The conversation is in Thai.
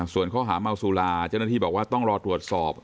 ส่วนข้อหาเมาสุราเจ้าหน้าที่บอกว่าต้องรอตรวจสอบ